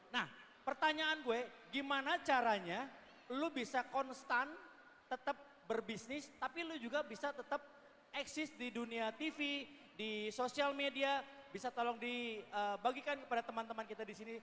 nah pertanyaan gue gimana caranya lu bisa konstan tetap berbisnis tapi lu juga bisa tetap eksis di dunia tv di sosial media bisa tolong dibagikan kepada teman teman kita di sini